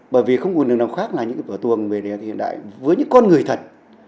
bởi vì không còn đường nào khác là những vở tuồng về đẹp hiện đại với những con người thật